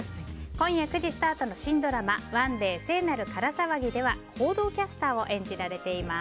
今夜９時スタートの新ドラマ「ＯＮＥＤＡＹ聖夜のから騒ぎ」では報道キャスターを演じられています。